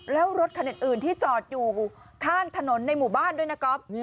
แล้วรถคันอื่นที่จอดอยู่ข้างถนนในหมู่บ้านด้วยนะครับ